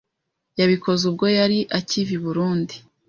yabikoze ubwo yari akiva i Burundi